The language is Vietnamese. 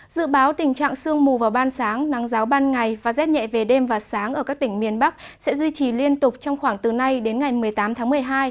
dự báo tình trạng sương mù vào ban sáng nắng giáo ban ngày và rét nhẹ về đêm và sáng ở các tỉnh miền bắc sẽ duy trì liên tục trong khoảng từ nay đến ngày một mươi tám tháng một mươi hai